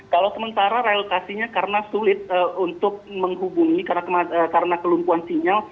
kalau sementara relokasinya karena sulit untuk menghubungi karena kelumpuhan sinyal